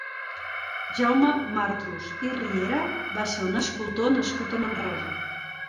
Jaume Martrus i Riera va ser un escultor nascut a Manresa.